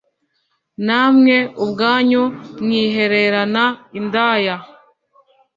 namwe ubwanyu mwihererana indaya,